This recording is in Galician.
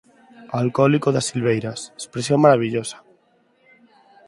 Alcohólico das silveiras! Expresión marabillosa!